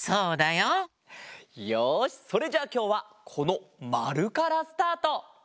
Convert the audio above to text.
よしそれじゃあきょうはこのまるからスタート。